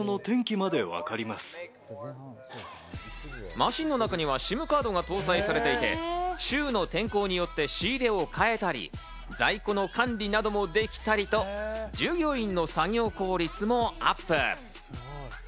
マシンの中にはＳＩＭカードが搭載されていて、週の天候によって仕入れを変えたり、在庫の管理などができたりと、従業員の作業効率もアップ。